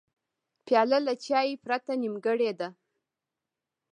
پیاله له چای پرته نیمګړې ده.